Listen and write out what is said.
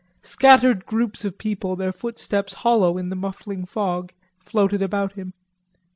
Scattered groups of people, their footsteps hollow in the muffling fog, floated about him.